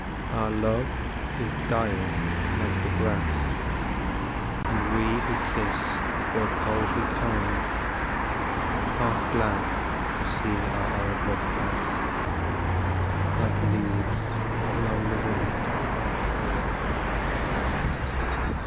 Our love is dying like the grass, And we who kissed grow coldly kind, Half glad to see our old love pass Like leaves along the wind.